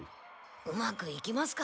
うまくいきますかね？